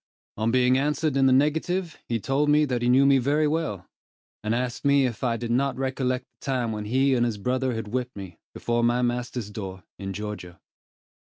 On being answered in the negative, he told me that he knew me very well; and asked me if I did not recollect the time when he and his brother had whipped me, before my master's door, in Georgia.